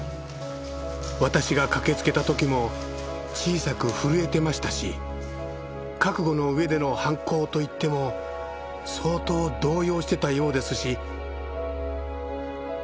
私が駆けつけた時も小さく震えてましたし覚悟の上での犯行といっても相当動揺してたようですし。